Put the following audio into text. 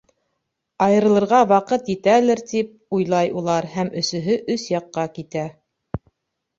Айырылырға ваҡыт етәлер, тип уйлай улар, һәм өсөһө өс яҡҡа китә.